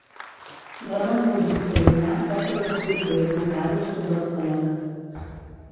Ramon Muns i Serinyà va ser un escriptor i advocat nascut a Barcelona.